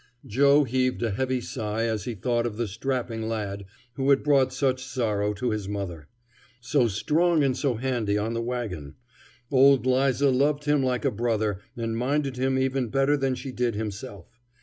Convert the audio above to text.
Joe heaved a heavy sigh as he thought of the strapping lad who had brought such sorrow to his mother. So strong and so handy on the wagon. Old 'Liza loved him like a brother and minded him even better than she did himself.